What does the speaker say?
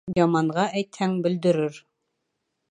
Яманға әйтһәң, бөлдөрөр.